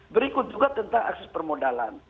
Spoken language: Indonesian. berikut juga tentang akses permodalan